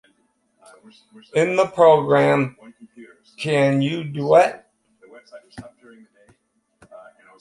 In the program Can You Duet?